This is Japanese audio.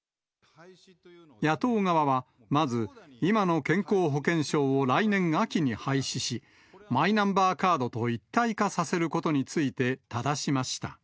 野党側はまず、今の健康保険証を来年秋に廃止し、マイナンバーカードと一体化させることについて、ただしました。